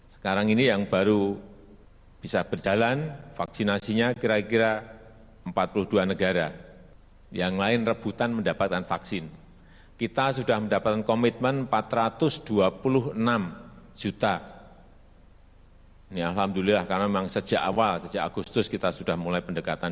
sudah karena memang sejak awal sejak agustus kita sudah mulai pendekatan